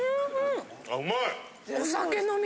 うまい！